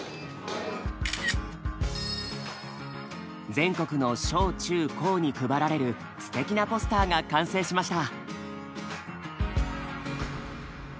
全国の小・中・高に配られるすてきなポスターが完成しました！